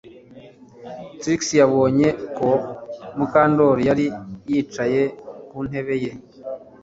Trix yabonye ko Mukandoli yari yicaye ku ntebe ye